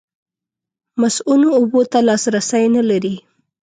مصؤنو اوبو ته لاسرسی نه لري.